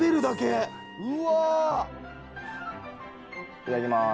いただきます。